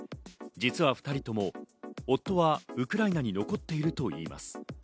実は２人とも夫はウクライナに残っているといいます。